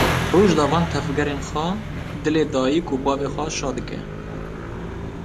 Rojda van tevgerên xwe dilê dayîk û bavê xwe şa dike.